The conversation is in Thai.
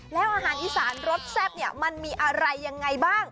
แล้วอาหารอีสานรสแซ่บเนี่ยมันมีอะไรยังไงบ้าง